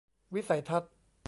วิสัยทัศน์